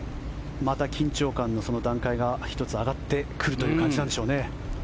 また緊張感の段階が１つ上がってくるという感じなんでしょうね。